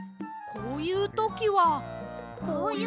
こういうときは？